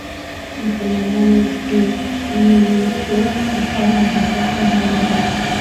مسلمانانو د میمیسیس لپاره محاکات کارولی دی